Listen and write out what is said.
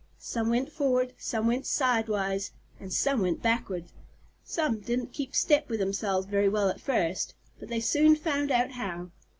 Some went forward, some went sidewise, and some went backward. Some didn't keep step with themselves very well at first, but they soon found out how.